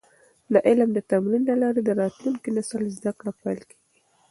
د علم د تمرین له لارې د راتلونکي نسل زده کړه پېل کیږي.